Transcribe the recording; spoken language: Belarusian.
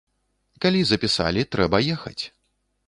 Калі запісалі, трэба ехаць.